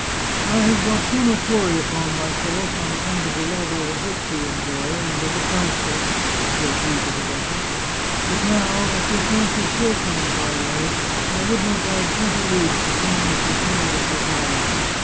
" I have brought so much worry upon myself on account of the love I had hoped to enjoy, and of the Fausta," wrote 2^1 The Chartreuse of Parma he to the duchess, " that now, if her fancy still turned my way, I would not ride twenty leagues to claim the fulfilment of her bond.